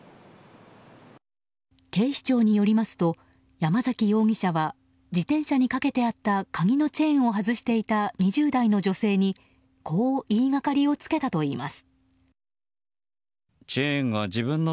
警視庁によりますと山崎容疑者は自転車にかけてあった鍵のチェーンを外していた２０代の女性にこう言いがかりをつけたといいます。